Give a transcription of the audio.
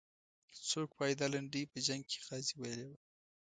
څوک وایي دا لنډۍ په جنګ کې غازي ویلې وه.